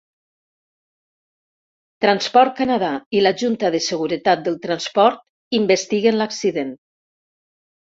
Transport Canada i la Junta de Seguretat del Transport investiguen l'accident.